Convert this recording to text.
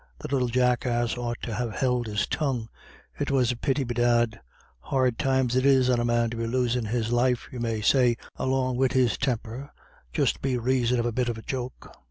The little jackass ought to ha' held his tongue. It was a pity, bedad. Hard lines it is on a man to be losin' his life, you may say, along wid his temper, just be raison of a bit of a joke."